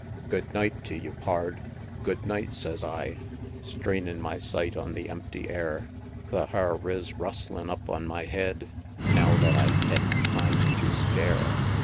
"Good night tew ye, Pard!" "Good night," sez I, Strainin' my sight on the empty air; The har riz rustlin' up on my head, Now that I hed time tew scare.